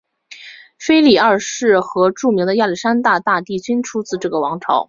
腓力二世和著名的亚历山大大帝均出自这个王朝。